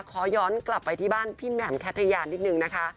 ขอย้อนกลับไปที่บ้านพี่แหม่มแคทยานนิดนึงนะคะ